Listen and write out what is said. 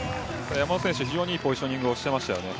山本選手、非常にいいポジショニングをしていましたね。